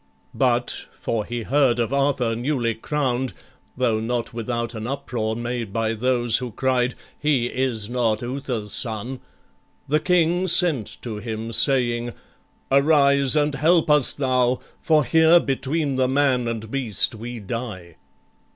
But for he heard of Arthur newly crown'd, Tho' not without an uproar made by those Who cried, "He is not Uther's son" the King Sent to him, saying, "Arise, and help us thou! For here between the man and beast we die."